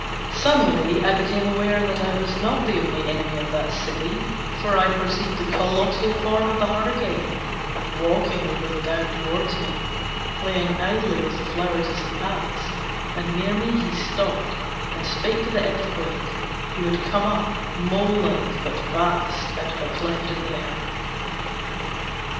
Suddenly I became aware that I was not the only enemy of that city, for I perceived the colossal form of the Hurricane walking over the down towards me, playing idly with the flowers as he passed, and near me he stopped and spake to the Earthquake, who had come up mole like but vast out of a cleft in the earth.